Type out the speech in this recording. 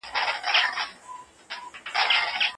که کوڅه ډب حیوانات واکسین سي، نو د لیوني سپي ناروغي نه خپریږي.